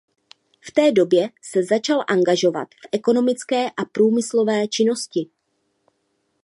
V té době se začal angažovat v ekonomické a průmyslové činnosti.